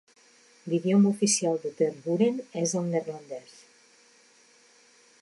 L'idioma oficial de Tervuren és el neerlandès.